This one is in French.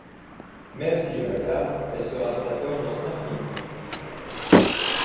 même si je la garde elle sera dans ta poche dans cinq minutes.